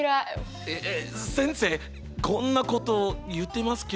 えっえっ先生こんなこと言ってますけど。